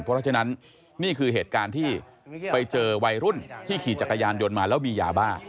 เพราะฉะนั้นนี่คือเหตุการณ์ที่ไปเจอวัยรุ่นที่ขี่จักรยานยนต์มาแล้วมียาบ้า